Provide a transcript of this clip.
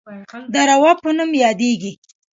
د روه په نوم یادیږي.